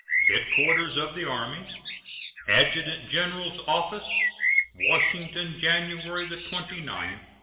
HEADQUARTERS OF THE ARMY, ADJUTANT GENERAL'S OFFICE, Washington, January 29, 1870.